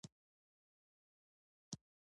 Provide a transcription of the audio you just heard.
هره ورځ نوې لارې زده کول د ژوند جوړونې برخه ده.